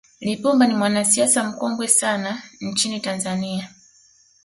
lipumba ni mwanasiasa mkongwe sana nchini tanzania